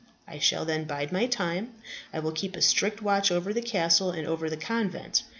I shall then bide my time. I will keep a strict watch over the castle and over the convent.